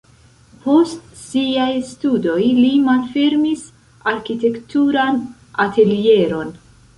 Post siaj studoj li malfermis arkitekturan atelieron.